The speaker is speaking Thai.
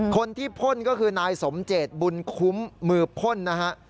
พ่นก็คือนายสมเจตบุญคุ้มมือพ่นนะฮะ